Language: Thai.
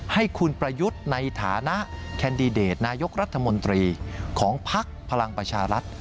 ให้คุณประยุทธ์ในฐานะแคนดิเดตนายกรัฐมนตรีของภักดิ์พลังประชารัฐ